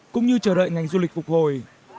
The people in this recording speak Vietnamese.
cũng như chờ đợi ngành du lịch phục hồi